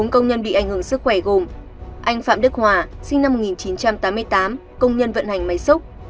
bốn công nhân bị ảnh hưởng sức khỏe gồm anh phạm đức hòa sinh năm một nghìn chín trăm tám mươi tám công nhân vận hành máy xúc